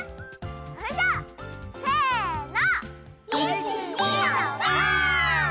それじゃあせの。